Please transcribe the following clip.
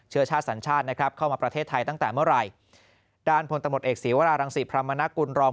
เชื้อชาติสัญชาตินะครับเข้ามาประเทศไทยตั้งแต่เมื่อไหร่ด้านพลตำรวจเอกศีวรารังศรีพรรมนกุลรอง